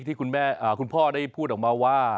ที่คุณพ่อได้พูดออกมาว่า